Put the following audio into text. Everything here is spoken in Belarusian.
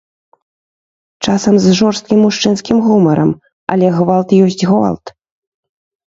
Часам з жорсткім мужчынскім гумарам, але гвалт ёсць гвалт.